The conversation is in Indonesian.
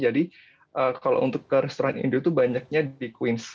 jadi kalau untuk ke restoran itu banyaknya di queens